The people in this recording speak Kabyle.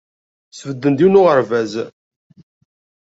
Sbedden-d yiwen n uɣerbaz.